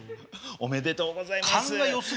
おめでとうございます。